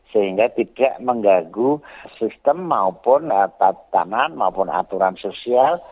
sehingga tidak menggaguh sistem maupun atas tanah maupun aturan sosial